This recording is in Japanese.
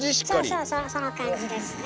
そうそうそうその感じですね。